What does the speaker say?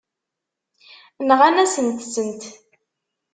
Nɣan-asent-tent.